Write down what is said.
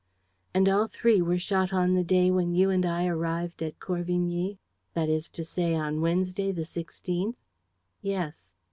"And all three were shot on the day when you and I arrived at Corvigny, that is to say, on Wednesday, the sixteenth?" "Yes."